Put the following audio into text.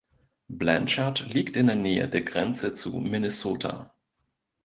Blanchard liegt in der Nähe der Grenze zu Minnesota.